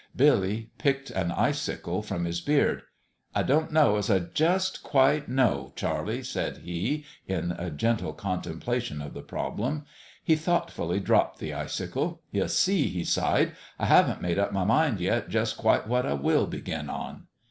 Billy picked an icicle from his beard. "I don't know as I just quite know, Charlie," said he, in a gentle contemplation of the problem. He thoughtfully dropped the icicle. " Ye see," he sighed, " I haven't made up my mind yet just quite what I will begin on."